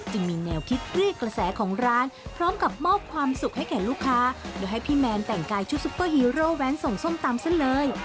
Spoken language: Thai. จึงมีแนวคิดเรียกกระแสของร้านพร้อมกับมอบความสุขให้แก่ลูกค้าโดยให้พี่แมนแต่งกายชุดซุปเปอร์ฮีโร่แว้นส่งส้มตำซะเลย